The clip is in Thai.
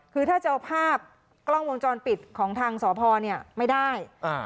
คือถ้าจะเอาภาพกล้องวงจรปิดของทางสพเนี่ยไม่ได้